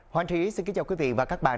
hoàng trí xin kính chào quý vị và các bạn